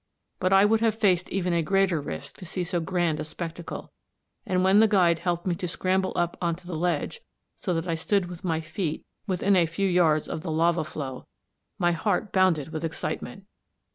But I would have faced even a greater risk to see so grand a spectacle, and when the guide helped me to scramble up on to the ledge, so that I stood with my feet within a few yards of the lava flow, my heart bounded with excitement.